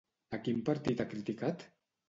A quin partit ha criticat?